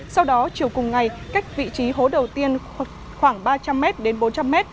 sau đó chiều cùng ngày cách vị trí hố đầu tiên khoảng ba trăm linh m đến bốn trăm linh m